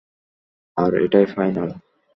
আর এটাই ফাইনাল!